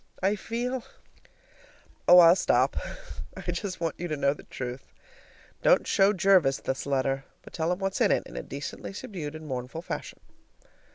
I feel, oh, I'll stop, I just want you to know the truth. Don't show Jervis this letter, but tell him what's in it in a decently subdued and mournful fashion.